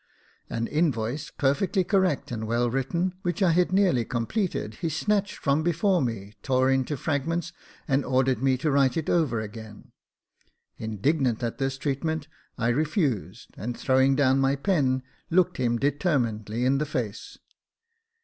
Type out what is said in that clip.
An invoice, per fectly correct and well written, which I had nearly com pleted, he snatched from before me, tore into fragments, and ordered me to write it over again. Indignant at this treatment, I refused, and, throwing down my pen, looked him determinedly in the face.